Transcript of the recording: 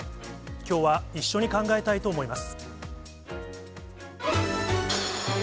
きょうは一緒に考えたいと思います。